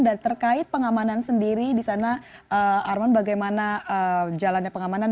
dan terkait pengamanan sendiri di sana arman bagaimana jalannya pengamanan